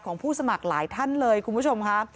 ผู้สมัครหลายท่านเลยคุณผู้ชมค่ะ